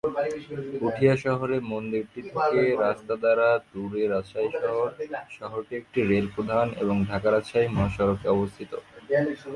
পুঠিয়া শহরে মন্দিরটি থেকে রাস্তা দ্বারা দূরে রাজশাহী শহর; শহরটি একটি রেল প্রধান এবং ঢাকা রাজশাহী মহাসড়কে অবস্থিত।